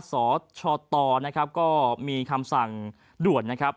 สชตนะครับก็มีคำสั่งด่วนนะครับ